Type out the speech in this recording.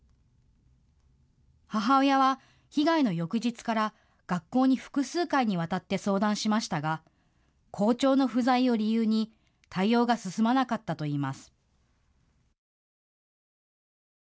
母親は被害の翌日から学校に複数回にわたって相談しましたが校長の不在を理由に対応が進まなかったといいます。